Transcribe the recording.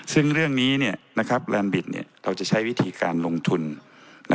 ซึ่งเรื่องนี้แรมบิตเราจะใช้วิธีการลงทุน